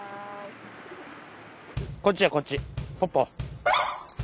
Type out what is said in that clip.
こっちやこっちポポ。